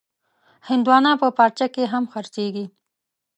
هندوانه په پارچه کې هم خرڅېږي.